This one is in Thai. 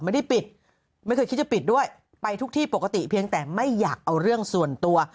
ไม่ได้ปิดไม่เคยคิดจะปิดด้วยไปทุกที่ปกติเพียงแต่ไม่อยากเอาเรื่องส่วนตัว